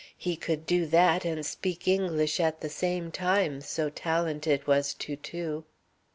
He could do that and speak English at the same time, so talented was Toutou.